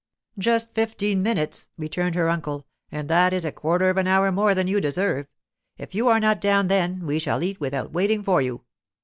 'Just fifteen minutes,' returned her uncle; 'and that is a quarter of an hour more than you deserve. If you are not down then, we shall eat without waiting for you.